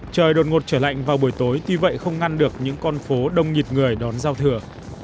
trời đột ngột trở lạnh vào buổi tối tuy vậy không ngăn được những con phố đông nhịt người đón giao thừa